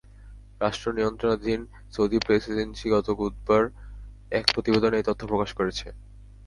রাষ্ট্রনিয়ন্ত্রণাধীন Saudi press agency গত বুধবার এক প্রতিবেদনে এ তথ্য প্রকাশ করেছে।